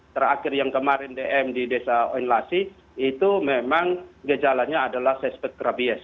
terakhir yang kemarin dm di desa oinlasi itu memang gejalanya adalah sespek rabies